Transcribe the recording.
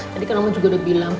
tadi kamu juga udah bilang